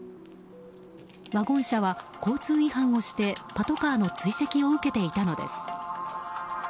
ワゴン車は交通違反をしてパトカーの追跡を受けていたのです。